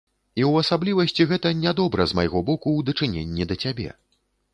І ў асаблівасці гэта не добра з майго боку ў дачыненні да цябе.